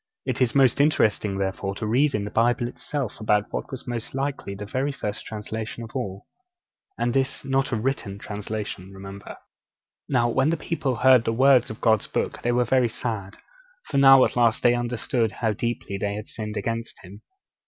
It is most interesting, therefore, to read in the Bible itself about what was most likely the very first translation of all and this not a written translation, remember. Now when the people heard the words of God's Book they were very sad; for now at last they understood how deeply they had sinned against Him.